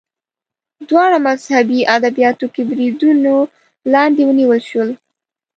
دواړه مذهبي ادبیاتو کې بریدونو لاندې ونیول شول